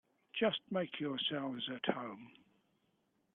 Just make yourselves at home.